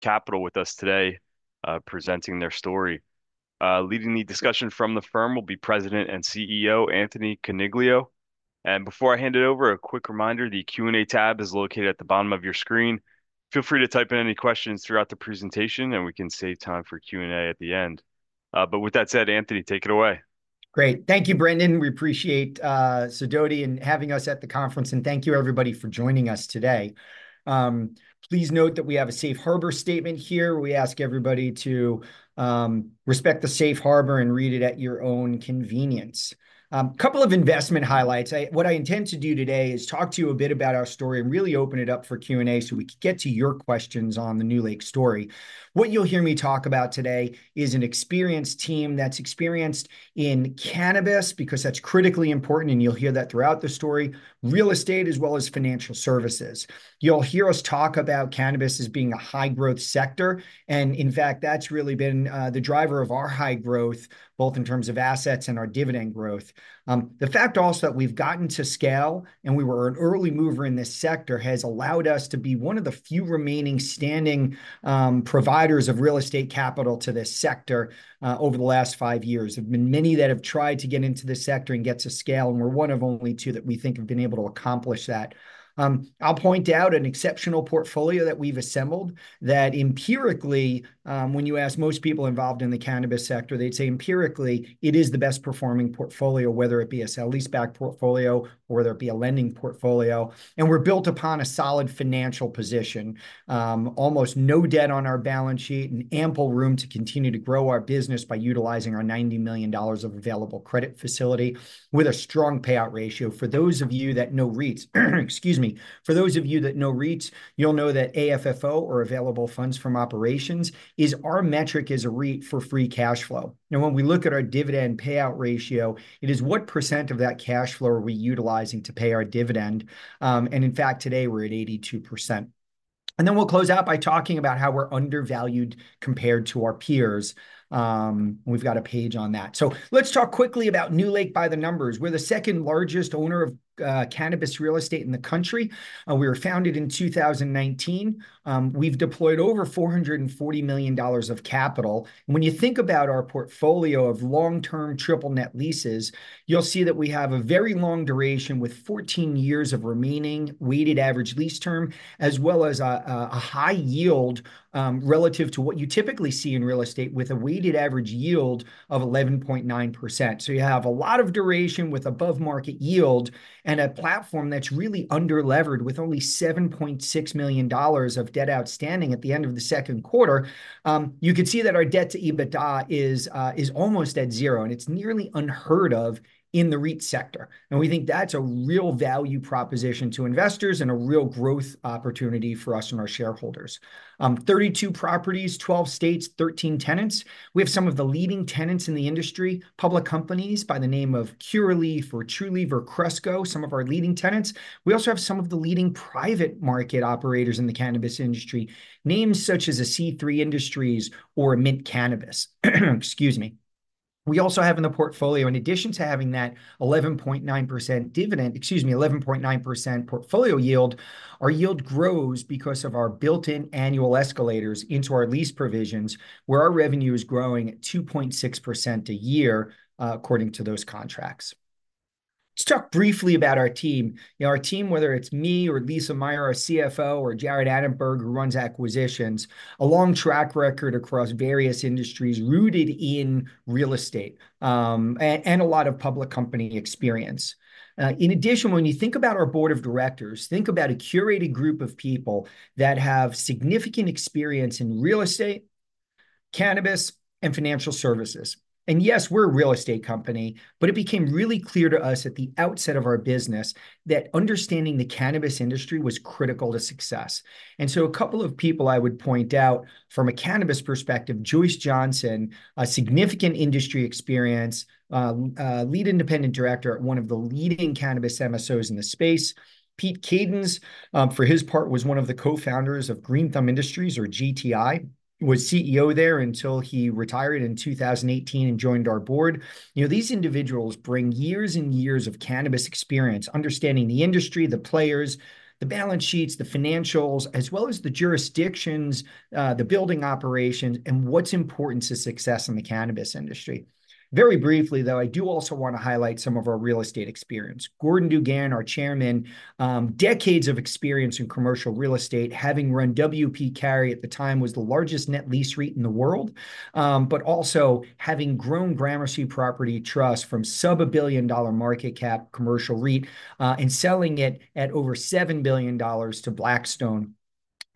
Capital with us today, presenting their story. Leading the discussion from the firm will be President and CEO Anthony Coniglio. And before I hand it over, a quick reminder, the Q&A tab is located at the bottom of your screen. Feel free to type in any questions throughout the presentation, and we can save time for Q&A at the end. But with that said, Anthony, take it away. Great. Thank you, Brandon. We appreciate Sidoti in having us at the conference, and thank you everybody for joining us today. Please note that we have a safe harbor statement here. We ask everybody to respect the safe harbor and read it at your own convenience. Couple of investment highlights. What I intend to do today is talk to you a bit about our story and really open it up for Q&A so we can get to your questions on the NewLake story. What you'll hear me talk about today is an experienced team that's experienced in cannabis, because that's critically important, and you'll hear that throughout the story, real estate, as well as financial services. You'll hear us talk about cannabis as being a high-growth sector, and in fact, that's really been the driver of our high growth, both in terms of assets and our dividend growth. The fact also that we've gotten to scale, and we were an early mover in this sector, has allowed us to be one of the few remaining standing providers of real estate capital to this sector over the last five years. There have been many that have tried to get into this sector and get to scale, and we're one of only two that we think have been able to accomplish that. I'll point out an exceptional portfolio that we've assembled, that empirically, when you ask most people involved in the cannabis sector, they'd say empirically, it is the best performing portfolio, whether it be a sale-leaseback portfolio or whether it be a lending portfolio, and we're built upon a solid financial position, almost no debt on our balance sheet, and ample room to continue to grow our business by utilizing our $90 million of available credit facility, with a strong payout ratio. For those of you that know REITs, you'll know that AFFO, or available funds from operations, is our metric as a REIT for free cash flow. Now, when we look at our dividend payout ratio, it is what % of that cash flow are we utilizing to pay our dividend? And in fact, today we're at 82%. And then we'll close out by talking about how we're undervalued compared to our peers. We've got a page on that. So let's talk quickly about NewLake by the numbers. We're the second-largest owner of cannabis real estate in the country. We were founded in 2019. We've deployed over $440 million of capital. When you think about our portfolio of long-term triple net leases, you'll see that we have a very long duration, with 14 years of remaining weighted average lease term, as well as a high yield relative to what you typically see in real estate, with a weighted average yield of 11.9%. So you have a lot of duration with above-market yield and a platform that's really under-levered, with only $7.6 million of debt outstanding at the end of the second quarter. You can see that our debt to EBITDA is almost at zero, and it's nearly unheard of in the REIT sector. And we think that's a real value proposition to investors and a real growth opportunity for us and our shareholders. 32 properties, 12 states, 13 tenants. We have some of the leading tenants in the industry, public companies by the name of Curaleaf or Trulieve or Cresco, some of our leading tenants. We also have some of the leading private market operators in the cannabis industry, names such as C3 Industries or Mint cannabis. Excuse me. We also have in the portfolio, in addition to having that 11.9% dividend, excuse me, 11.9% portfolio yield. Our yield grows because of our built-in annual escalators into our lease provisions, where our revenue is growing at 2.6% a year, according to those contracts. Let's talk briefly about our team. You know, our team, whether it's me or Lisa Meyer, our CFO, or Jarrett Annenberg, who runs acquisitions, a long track record across various industries rooted in real estate, and a lot of public company experience. In addition, when you think about our board of directors, think about a curated group of people that have significant experience in real estate, cannabis, and financial services. Yes, we're a real estate company, but it became really clear to us at the outset of our business that understanding the cannabis industry was critical to success. A couple of people I would point out from a cannabis perspective, Joyce Johnson, a significant industry experience, Lead Independent Director at one of the leading cannabis MSOs in the space. Pete Kadens, for his part, was one of the co-founders of Green Thumb Industries, or GTI, was CEO there until he retired in 2018 and joined our board. You know, these individuals bring years and years of cannabis experience, understanding the industry, the players, the balance sheets, the financials, as well as the jurisdictions, the building operations, and what's important to success in the cannabis industry. Very briefly, though, I do also want to highlight some of our real estate experience. Gordon DuGan, our chairman, decades of experience in commercial real estate, having run W. P. Carey, at the time, was the largest net lease REIT in the world. But also having grown Gramercy Property Trust from sub-$1 billion-dollar market cap commercial REIT, and selling it at over $7 billion to Blackstone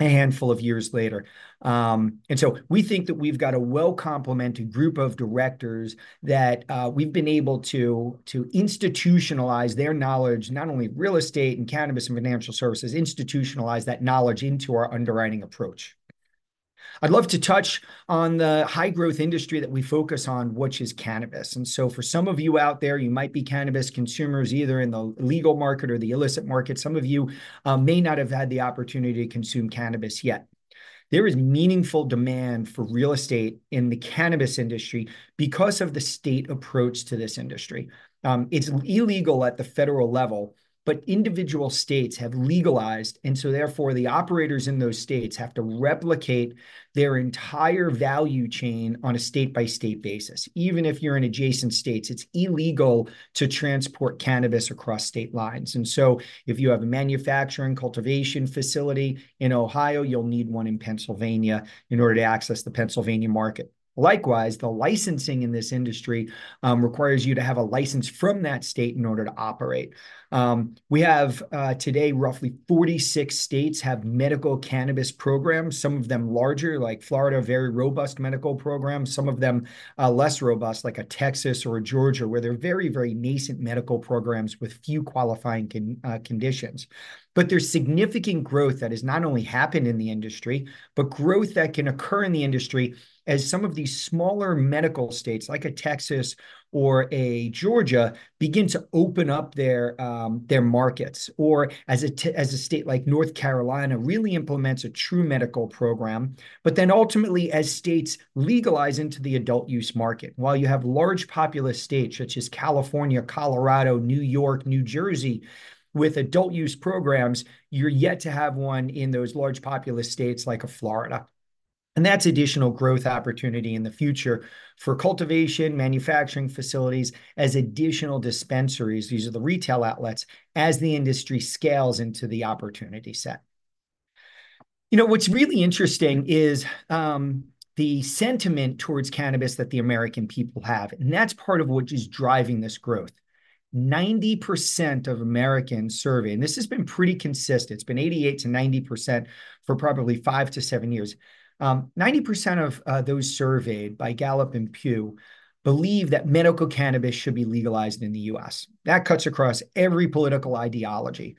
a handful of years later. And so we think that we've got a well-complemented group of directors that, we've been able to institutionalize their knowledge, not only real estate and cannabis and financial services, institutionalize that knowledge into our underwriting approach. I'd love to touch on the high-growth industry that we focus on, which is cannabis. And so for some of you out there, you might be cannabis consumers, either in the legal market or the illicit market. Some of you may not have had the opportunity to consume cannabis yet. There is meaningful demand for real estate in the cannabis industry because of the state approach to this industry. It's illegal at the federal level, but individual states have legalized, and so therefore, the operators in those states have to replicate their entire value chain on a state-by-state basis. Even if you're in adjacent states, it's illegal to transport cannabis across state lines. And so if you have a manufacturing cultivation facility in Ohio, you'll need one in Pennsylvania in order to access the Pennsylvania market. Likewise, the licensing in this industry requires you to have a license from that state in order to operate. We have today roughly 46 states have medical cannabis programs, some of them larger, like Florida, very robust medical programs, some of them less robust, like a Texas or a Georgia, where there are very, very nascent medical programs with few qualifying conditions. But there's significant growth that has not only happened in the industry, but growth that can occur in the industry as some of these smaller medical states, like a Texas or a Georgia, begin to open up their markets, or as a state like North Carolina really implements a true medical program, but then ultimately, as states legalize into the adult-use market. While you have large populous states, such as California, Colorado, New York, New Jersey, with adult-use programs, you're yet to have one in those large populous states like a Florida, and that's additional growth opportunity in the future for cultivation, manufacturing facilities, as additional dispensaries, these are the retail outlets, as the industry scales into the opportunity set. You know, what's really interesting is, the sentiment towards cannabis that the American people have, and that's part of what is driving this growth. 90% of Americans surveyed, and this has been pretty consistent, it's been 88%-90% for probably five to seven years, 90% of those surveyed by Gallup and Pew believe that medical cannabis should be legalized in the U.S. That cuts across every political ideology.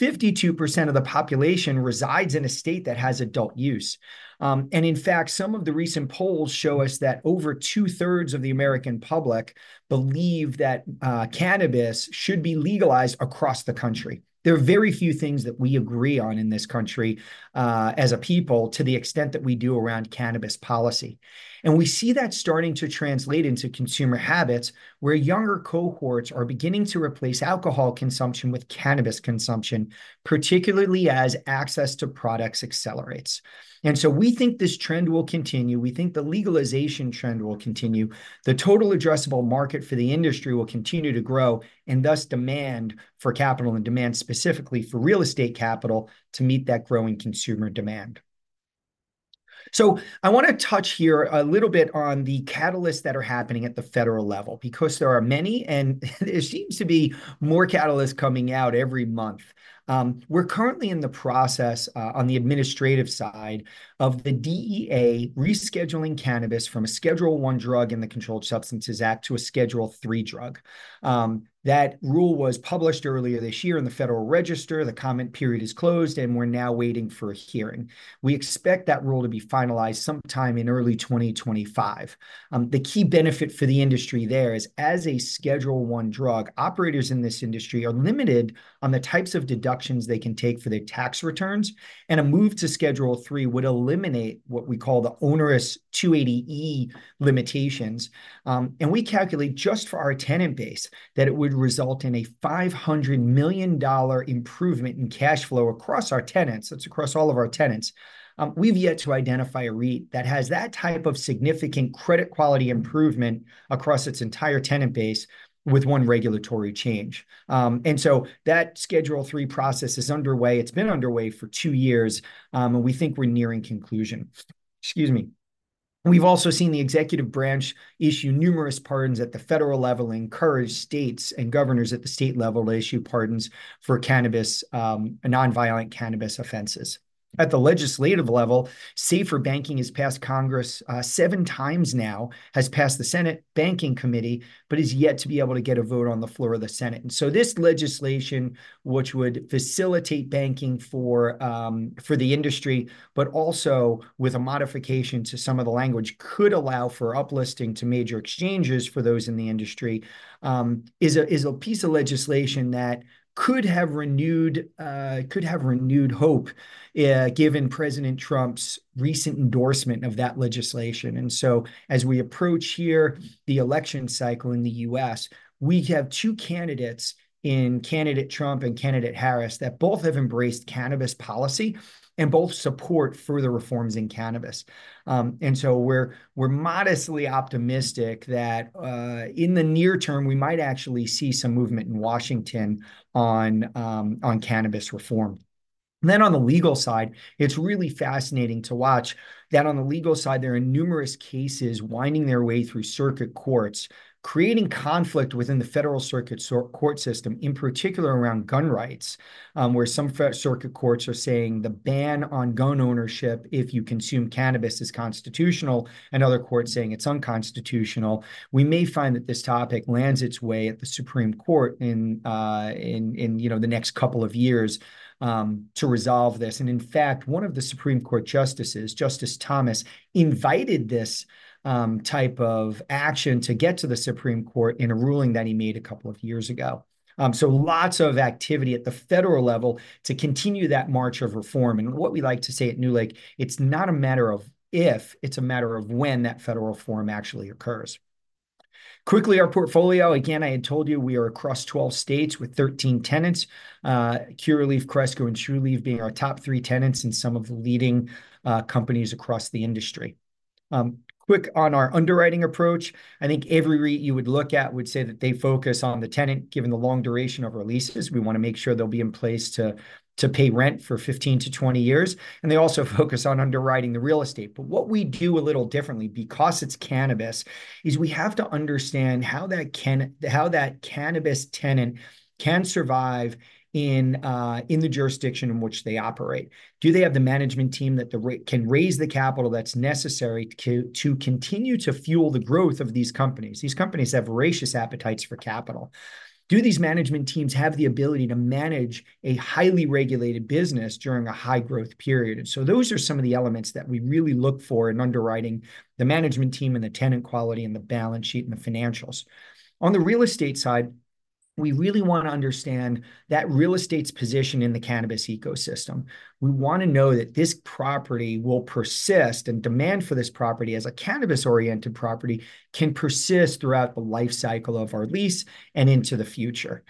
52% of the population resides in a state that has adult use, and in fact, some of the recent polls show us that over two-thirds of the American public believe that cannabis should be legalized across the country. There are very few things that we agree on in this country, as a people, to the extent that we do around cannabis policy, and we see that starting to translate into consumer habits, where younger cohorts are beginning to replace alcohol consumption with cannabis consumption, particularly as access to products accelerates, and so we think this trend will continue. We think the legalization trend will continue. The total addressable market for the industry will continue to grow, and thus demand for capital and demand specifically for real estate capital to meet that growing consumer demand. I want to touch here a little bit on the catalysts that are happening at the federal level, because there are many, and there seems to be more catalysts coming out every month. We're currently in the process, on the administrative side of the DEA rescheduling cannabis from a Schedule I drug in the Controlled Substances Act to a Schedule III drug. That rule was published earlier this year in the Federal Register. The comment period is closed, and we're now waiting for a hearing. We expect that rule to be finalized sometime in early 2025. The key benefit for the industry there is, as a Schedule I drug, operators in this industry are limited on the types of deductions they can take for their tax returns, and a move to Schedule III would eliminate what we call the onerous 280E limitations. And we calculate just for our tenant base, that it would result in a $500 million improvement in cash flow across our tenants. That's across all of our tenants. We've yet to identify a REIT that has that type of significant credit quality improvement across its entire tenant base with one regulatory change. And so that Schedule III process is underway. It's been underway for two years, and we think we're nearing conclusion. Excuse me. We've also seen the executive branch issue numerous pardons at the federal level, encourage states and governors at the state level to issue pardons for cannabis, nonviolent cannabis offenses. At the legislative level, SAFER Banking has passed Congress, seven times now, has passed the Senate Banking Committee, but is yet to be able to get a vote on the floor of the Senate. And so this legislation, which would facilitate banking for the industry, but also with a modification to some of the language, could allow for uplisting to major exchanges for those in the industry, is a piece of legislation that could have renewed hope, given President Trump's recent endorsement of that legislation. And so as we approach the election cycle in the U.S., we have two candidates, candidate Trump and candidate Harris, that both have embraced cannabis policy and both support further reforms in cannabis. And so we're modestly optimistic that in the near term, we might actually see some movement in Washington on cannabis reform. Then on the legal side, it's really fascinating to watch, that on the legal side, there are numerous cases winding their way through circuit courts, creating conflict within the federal circuit court system, in particular around gun rights, where some federal circuit courts are saying the ban on gun ownership if you consume cannabis is constitutional, and other courts saying it's unconstitutional. We may find that this topic lands its way at the Supreme Court in you know, the next couple of years to resolve this. And in fact, one of the Supreme Court justices, Justice Thomas, invited this type of action to get to the Supreme Court in a ruling that he made a couple of years ago. So lots of activity at the federal level to continue that march of reform. And what we like to say at NewLake, it's not a matter of if, it's a matter of when that federal reform actually occurs. Quickly, our portfolio, again, I had told you we are across 12 states with 13 tenants. Curaleaf, Cresco, and Trulieve being our top three tenants and some of the leading companies across the industry. Quick on our underwriting approach, I think every REIT you would look at would say that they focus on the tenant, given the long duration of our leases. We want to make sure they'll be in place to pay rent for 15-20 years, and they also focus on underwriting the real estate. But what we do a little differently, because it's cannabis, is we have to understand how that cannabis tenant can survive in the jurisdiction in which they operate. Do they have the management team that they can raise the capital that's necessary to continue to fuel the growth of these companies? These companies have voracious appetites for capital. Do these management teams have the ability to manage a highly regulated business during a high-growth period? And so those are some of the elements that we really look for in underwriting the management team, and the tenant quality, and the balance sheet, and the financials. On the real estate side, we really want to understand that real estate's position in the cannabis ecosystem. We want to know that this property will persist, and demand for this property as a cannabis-oriented property can persist throughout the life cycle of our lease and into the future,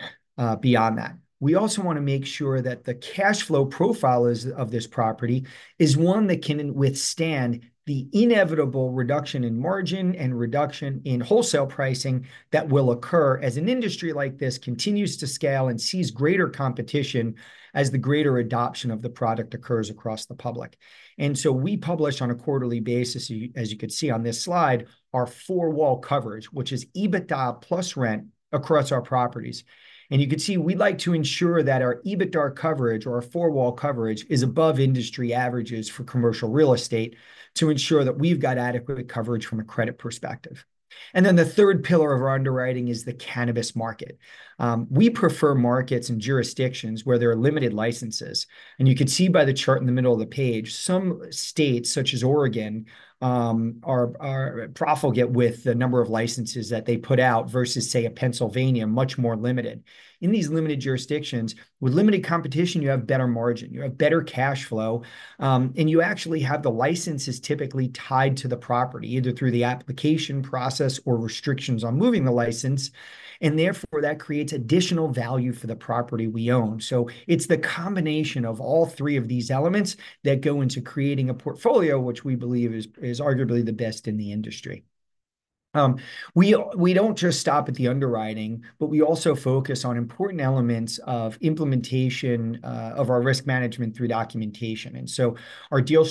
beyond that. We also want to make sure that the cash flow profile of this property is one that can withstand the inevitable reduction in margin and reduction in wholesale pricing that will occur as an industry like this continues to scale and sees greater competition as the greater adoption of the product occurs across the public. And so we publish on a quarterly basis, as you can see on this slide, our four-wall coverage, which is EBITDA plus rent across our properties. And you can see, we'd like to ensure that our EBITDA coverage or our four-wall coverage is above industry averages for commercial real estate to ensure that we've got adequate coverage from a credit perspective. And then the third pillar of our underwriting is the cannabis market. We prefer markets and jurisdictions where there are limited licenses, and you can see by the chart in the middle of the page. Some states, such as Oregon, are profligate with the number of licenses that they put out versus, say, Pennsylvania, much more limited. In these limited jurisdictions, with limited competition, you have better margin, you have better cash flow, and you actually have the licenses typically tied to the property, either through the application process or restrictions on moving the license. Therefore, that creates additional value for the property we own, so it's the combination of all three of these elements that go into creating a portfolio, which we believe is arguably the best in the industry. We don't just stop at the underwriting, but we also focus on important elements of implementation of our risk management through documentation. And so our deal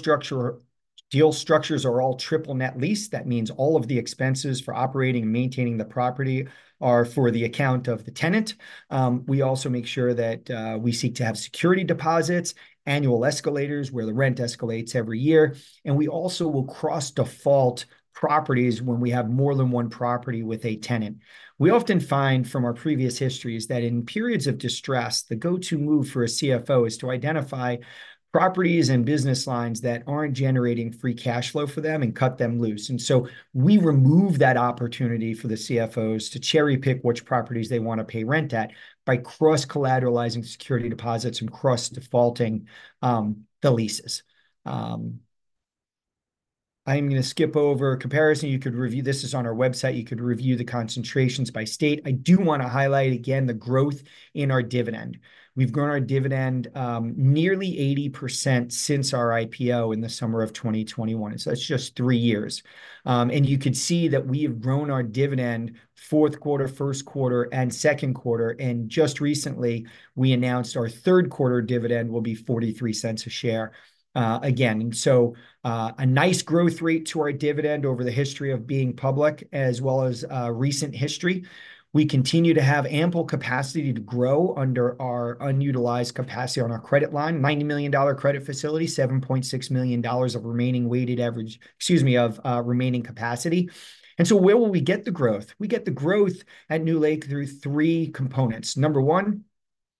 structures are all triple net lease. That means all of the expenses for operating and maintaining the property are for the account of the tenant. We also make sure that we seek to have security deposits, annual escalators, where the rent escalates every year, and we also will cross-default properties when we have more than one property with a tenant. We often find from our previous histories that in periods of distress, the go-to move for a CFO is to identify properties and business lines that aren't generating free cash flow for them and cut them loose. And so we remove that opportunity for the CFOs to cherry-pick which properties they want to pay rent at by cross-collateralizing security deposits and cross-defaulting the leases. I'm going to skip over a comparison. You could review. This is on our website. You could review the concentrations by state. I do want to highlight again the growth in our dividend. We've grown our dividend nearly 80% since our IPO in the summer of twenty twenty-one, so that's just three years. And you can see that we have grown our dividend fourth quarter, first quarter, and second quarter, and just recently, we announced our third quarter dividend will be $0.43 a share, again. So, a nice growth rate to our dividend over the history of being public, as well as recent history. We continue to have ample capacity to grow under our unutilized capacity on our credit line, $90 million credit facility, $7.6 million of remaining weighted average, excuse me, of remaining capacity. And so where will we get the growth? We get the growth at NewLake through three components. Number one,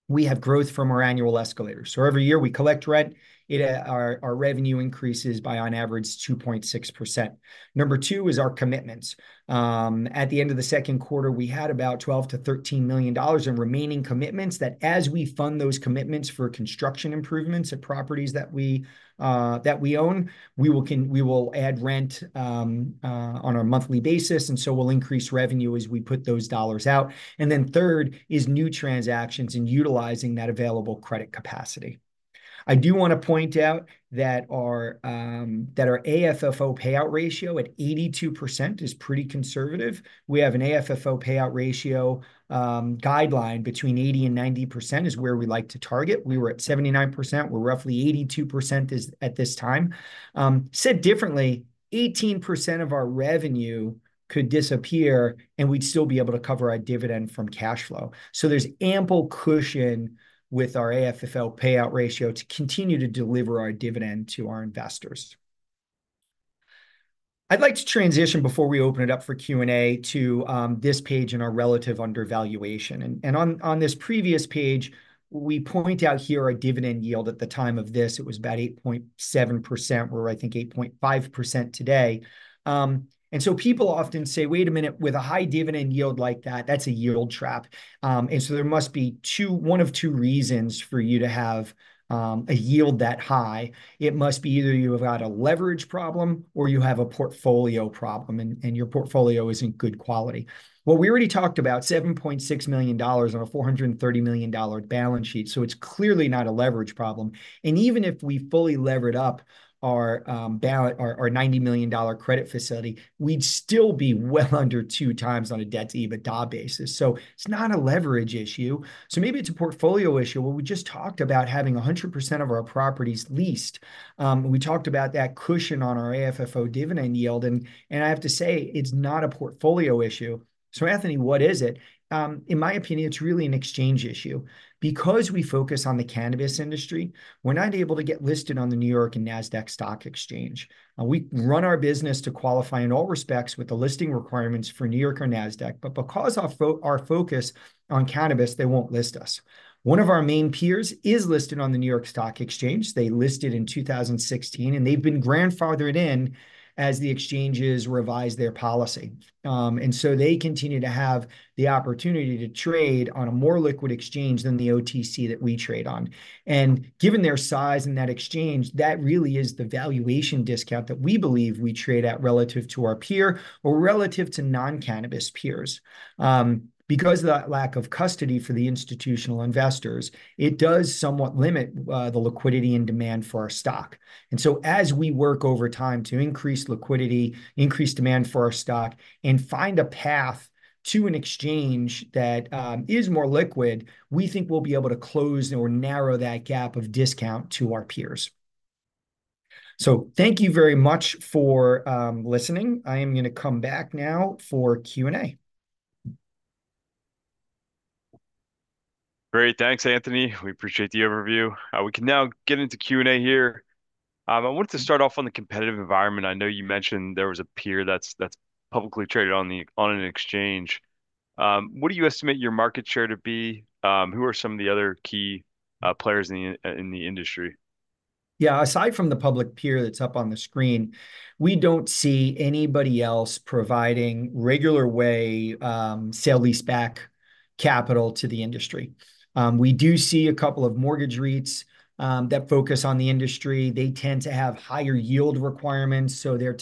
we have growth from our annual escalators. So every year we collect rent, it our revenue increases by on average 2.6%. Number two is our commitments. At the end of the second quarter, we had about $12 million-$13 million in remaining commitments that as we fund those commitments for construction improvements at properties that we own, we will add rent on a monthly basis, and so we'll increase revenue as we put those dollars out. And then third is new transactions and utilizing that available credit capacity. I do want to point out that our that our AFFO payout ratio at 82% is pretty conservative. We have an AFFO payout ratio guideline between 80%-90% is where we like to target. We were at 79%. We're roughly 82% as at this time. Said differently, 18% of our revenue could disappear, and we'd still be able to cover our dividend from cash flow. So there's ample cushion with our AFFO payout ratio to continue to deliver our dividend to our investors.... I'd like to transition before we open it up for Q&A to this page in our relative undervaluation. And on this previous page, we point out here our dividend yield. At the time of this, it was about 8.7%, we're I think 8.5% today. And so people often say, "Wait a minute, with a high dividend yield like that, that's a yield trap. And so there must be one of two reasons for you to have a yield that high. It must be either you have got a leverage problem, or you have a portfolio problem, and your portfolio isn't good quality." Well, we already talked about $7.6 million on a $430 million balance sheet, so it's clearly not a leverage problem. And even if we fully levered up our our $90 million credit facility, we'd still be well under two times on a debt-to-EBITDA basis. So it's not a leverage issue. So maybe it's a portfolio issue. Well, we just talked about having 100% of our properties leased. We talked about that cushion on our AFFO dividend yield, and I have to say, it's not a portfolio issue. So Anthony, what is it? In my opinion, it's really an exchange issue. Because we focus on the cannabis industry, we're not able to get listed on the New York Stock Exchange and Nasdaq. Now, we run our business to qualify in all respects with the listing requirements for the New York Stock Exchange or Nasdaq, but because our focus on cannabis, they won't list us. One of our main peers is listed on the New York Stock Exchange. They listed in 2016, and they've been grandfathered in as the exchanges revised their policy. So they continue to have the opportunity to trade on a more liquid exchange than the OTC that we trade on. And given their size in that exchange, that really is the valuation discount that we believe we trade at relative to our peer or relative to non-cannabis peers. Because of that lack of custody for the institutional investors, it does somewhat limit the liquidity and demand for our stock. And so as we work over time to increase liquidity, increase demand for our stock, and find a path to an exchange that is more liquid, we think we'll be able to close or narrow that gap of discount to our peers. So thank you very much for listening. I am gonna come back now for Q&A. Great. Thanks, Anthony. We appreciate the overview. We can now get into Q&A here. I wanted to start off on the competitive environment. I know you mentioned there was a peer that's publicly traded on an exchange. What do you estimate your market share to be? Who are some of the other key players in the industry? Yeah, aside from the public peer that's up on the screen, we don't see anybody else providing regular way sale leaseback capital to the industry. We do see a couple of mortgage REITs that focus on the industry. They tend to have higher yield requirements, so their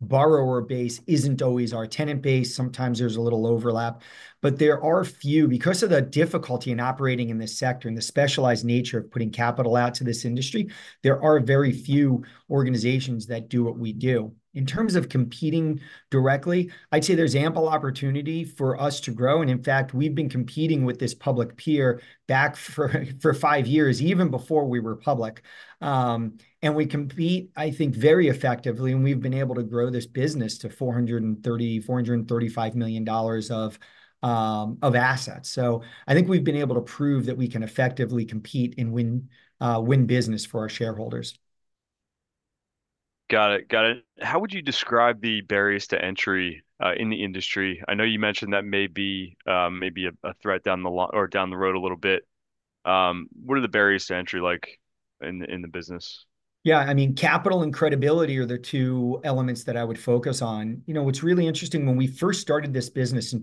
borrower base isn't always our tenant base. Sometimes there's a little overlap. But there are few. Because of the difficulty in operating in this sector and the specialized nature of putting capital out to this industry, there are very few organizations that do what we do. In terms of competing directly, I'd say there's ample opportunity for us to grow, and in fact, we've been competing with this public peer back for five years, even before we were public. And we compete, I think, very effectively, and we've been able to grow this business to $430 million-$435 million of assets. So I think we've been able to prove that we can effectively compete and win business for our shareholders. Got it, got it. How would you describe the barriers to entry in the industry? I know you mentioned that may be a threat down the road a little bit. What are the barriers to entry like in the business? Yeah, I mean, capital and credibility are the two elements that I would focus on. You know, what's really interesting, when we first started this business in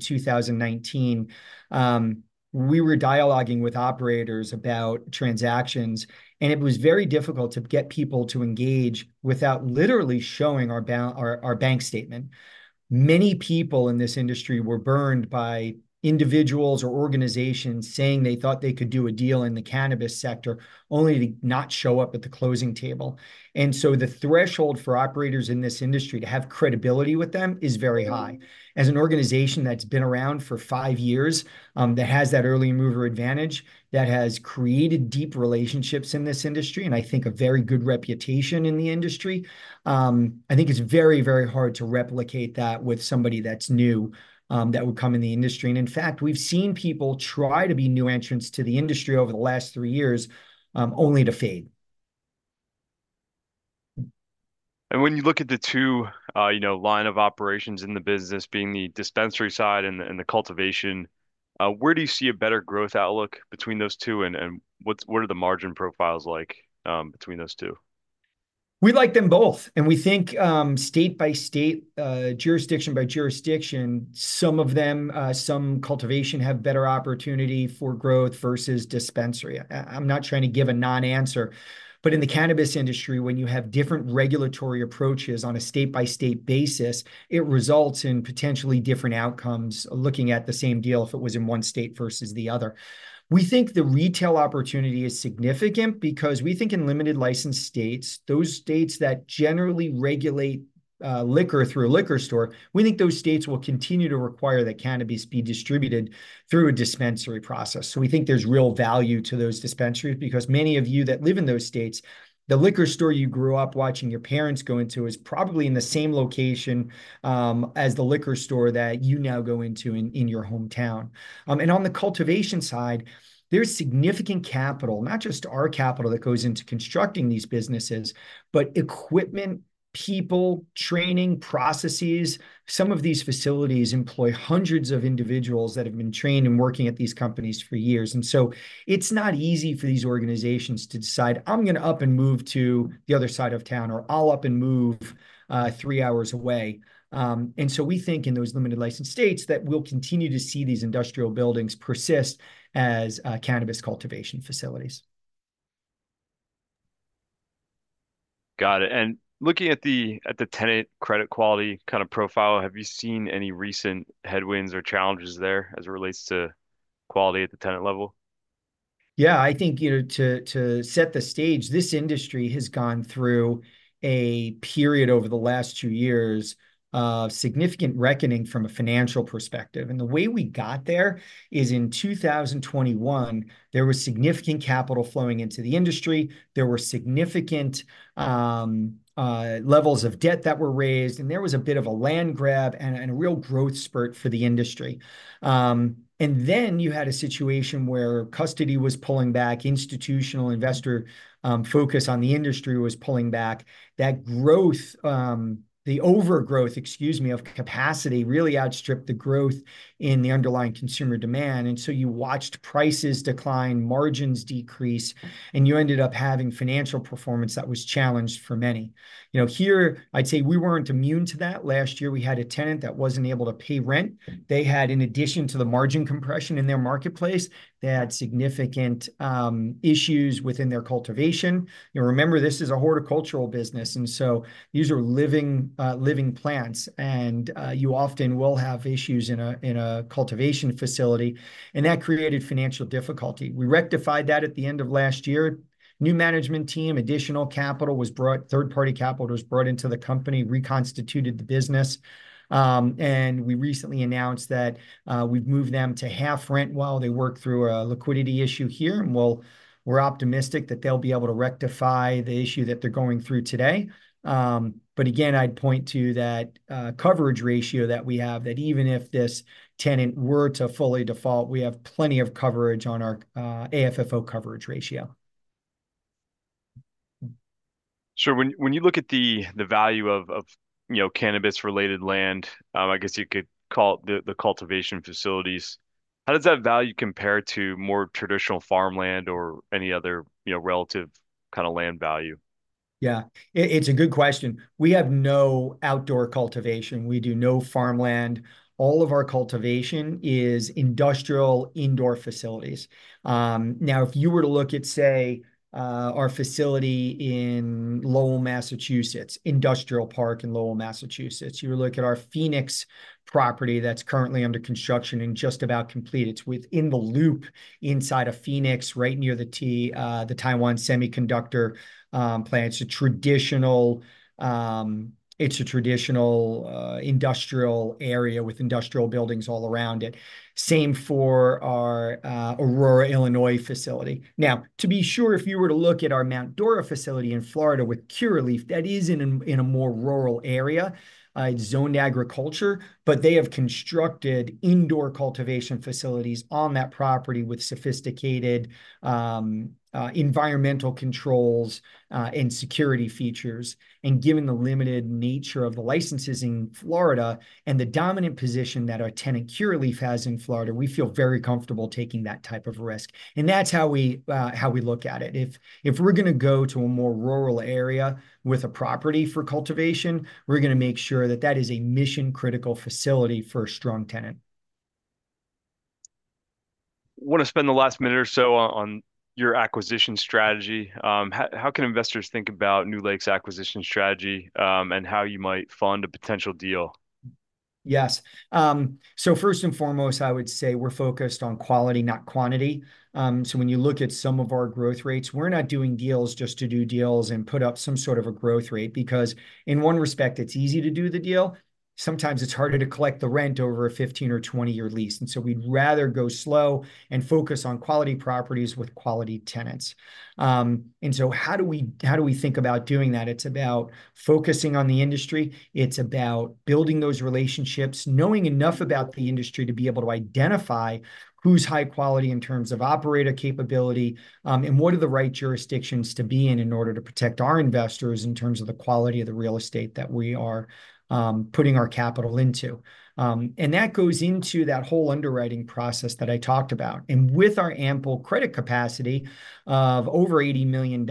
2019, we were dialoguing with operators about transactions, and it was very difficult to get people to engage without literally showing our bank statement. Many people in this industry were burned by individuals or organizations saying they thought they could do a deal in the cannabis sector, only to not show up at the closing table. And so the threshold for operators in this industry to have credibility with them is very high. As an organization that's been around for five years, that has that early mover advantage, that has created deep relationships in this industry, and I think a very good reputation in the industry, I think it's very, very hard to replicate that with somebody that's new, that would come in the industry, and in fact, we've seen people try to be new entrants to the industry over the last three years, only to fade. When you look at the two, you know, line of operations in the business, being the dispensary side and the cultivation, where do you see a better growth outlook between those two, and what are the margin profiles like between those two? We like them both, and we think, state by state, jurisdiction by jurisdiction, some of them, some cultivation have better opportunity for growth versus dispensary. I'm not trying to give a non-answer, but in the cannabis industry, when you have different regulatory approaches on a state-by-state basis, it results in potentially different outcomes, looking at the same deal if it was in one state versus the other. We think the retail opportunity is significant, because we think in limited license states, those states that generally regulate liquor through a liquor store, we think those states will continue to require that cannabis be distributed through a dispensary process. So we think there's real value to those dispensaries, because many of you that live in those states, the liquor store you grew up watching your parents go into is probably in the same location as the liquor store that you now go into in your hometown. And on the cultivation side, there's significant capital, not just our capital that goes into constructing these businesses, but equipment, people, training, processes. Some of these facilities employ hundreds of individuals that have been trained and working at these companies for years, and so it's not easy for these organizations to decide, "I'm gonna up and move to the other side of town," or, "I'll up and move three hours away." And so we think in those limited license states, that we'll continue to see these industrial buildings persist as cannabis cultivation facilities. Got it. And looking at the tenant credit quality kind of profile, have you seen any recent headwinds or challenges there as it relates to quality at the tenant level? Yeah, I think, you know, to set the stage, this industry has gone through a period over the last two years of significant reckoning from a financial perspective. And the way we got there is in 2021, there was significant capital flowing into the industry. There were significant levels of debt that were raised, and there was a bit of a land grab and a real growth spurt for the industry. And then you had a situation where custody was pulling back, institutional investor focus on the industry was pulling back. That growth, the overgrowth, excuse me, of capacity really outstripped the growth in the underlying consumer demand, and so you watched prices decline, margins decrease, and you ended up having financial performance that was challenged for many. You know, here I'd say we weren't immune to that. Last year, we had a tenant that wasn't able to pay rent. They had, in addition to the margin compression in their marketplace, they had significant issues within their cultivation. You know, remember, this is a horticultural business, and so these are living plants, and you often will have issues in a cultivation facility, and that created financial difficulty. We rectified that at the end of last year. New management team, additional capital was brought. Third-party capital was brought into the company, reconstituted the business. We recently announced that, we've moved them to half rent while they work through a liquidity issue here, and we're optimistic that they'll be able to rectify the issue that they're going through today. But again, I'd point to that coverage ratio that we have, that even if this tenant were to fully default, we have plenty of coverage on our AFFO coverage ratio. Sure. When you look at the value of, you know, cannabis-related land, I guess you could call the cultivation facilities, how does that value compare to more traditional farmland or any other, you know, relative kind of land value? Yeah. It's a good question. We have no outdoor cultivation. We do no farmland. All of our cultivation is industrial indoor facilities. Now, if you were to look at, say, our facility in Lowell, Massachusetts, Industrial Park in Lowell, Massachusetts. You would look at our Phoenix property that's currently under construction and just about complete. It's within the loop inside of Phoenix, right near the T, the Taiwan Semiconductor plant. It's a traditional. It's a traditional industrial area with industrial buildings all around it. Same for our Aurora, Illinois, facility. Now, to be sure, if you were to look at our Mount Dora facility in Florida with Curaleaf, that is in a more rural area zoned agriculture, but they have constructed indoor cultivation facilities on that property with sophisticated environmental controls and security features. Given the limited nature of the licenses in Florida and the dominant position that our tenant, Curaleaf, has in Florida, we feel very comfortable taking that type of risk, and that's how we look at it. If we're gonna go to a more rural area with a property for cultivation, we're gonna make sure that that is a mission-critical facility for a strong tenant. I wanna spend the last minute or so on your acquisition strategy. How can investors think about NewLake's acquisition strategy, and how you might fund a potential deal? Yes. So first and foremost, I would say we're focused on quality, not quantity. So when you look at some of our growth rates, we're not doing deals just to do deals and put up some sort of a growth rate. Because in one respect, it's easy to do the deal. Sometimes it's harder to collect the rent over a 15- or 20-year lease, and so we'd rather go slow and focus on quality properties with quality tenants. And so how do we think about doing that? It's about focusing on the industry. It's about building those relationships, knowing enough about the industry to be able to identify who's high quality in terms of operator capability, and what are the right jurisdictions to be in in order to protect our investors in terms of the quality of the real estate that we are, putting our capital into, and that goes into that whole underwriting process that I talked about, and with our ample credit capacity of over $80 million,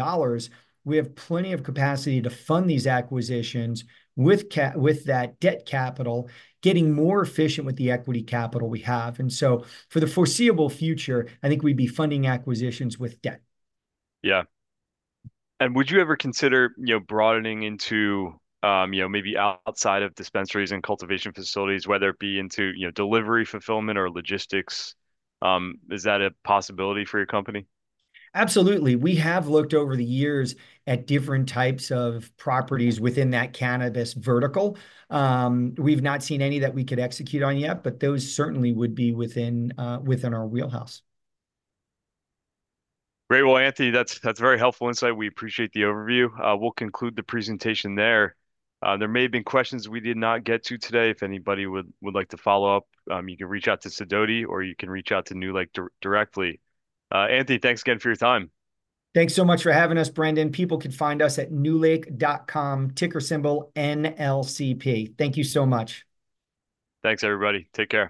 we have plenty of capacity to fund these acquisitions with that debt capital, getting more efficient with the equity capital we have, and so for the foreseeable future, I think we'd be funding acquisitions with debt. Yeah. And would you ever consider, you know, broadening into, you know, maybe outside of dispensaries and cultivation facilities, whether it be into, you know, delivery, fulfillment, or logistics? Is that a possibility for your company? Absolutely. We have looked over the years at different types of properties within that cannabis vertical. We've not seen any that we could execute on yet, but those certainly would be within our wheelhouse. Great. Well, Anthony, that's very helpful insight. We appreciate the overview. We'll conclude the presentation there. There may have been questions we did not get to today. If anybody would like to follow up, you can reach out to Sidoti, or you can reach out to NewLake directly. Anthony, thanks again for your time. Thanks so much for having us, Brandon. People can find us at NewLake.com, ticker symbol NLCP. Thank you so much. Thanks, everybody. Take care.